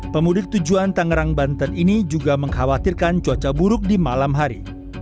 pemudik tujuan tangerang banten ini juga mengkhawatirkan cuaca buruk di malam hari